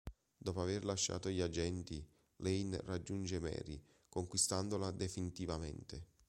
Dopo aver lasciato gli agenti, Lane raggiunge Mary, conquistandola definitivamente.